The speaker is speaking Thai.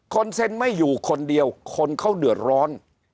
เซ็นไม่อยู่คนเดียวคนเขาเดือดร้อน